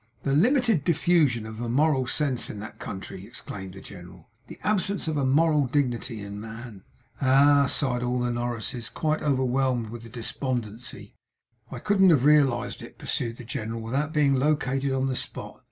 'The limited diffusion of a moral sense in that country!' exclaimed the general. 'The absence of a moral dignity in man!' 'Ah!' sighed all the Norrises, quite overwhelmed with despondency. 'I couldn't have realised it,' pursued the general, 'without being located on the spot.